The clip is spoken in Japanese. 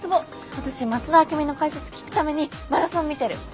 私増田明美の解説聞くためにマラソン見てる。